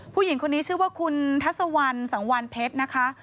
ผู้หญิงคนนี้ชื่อว่าคุณทัศวรรณสังวานเพชรนะคะ